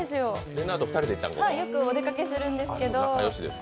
れなぁとは、よくお出かけするんですけど。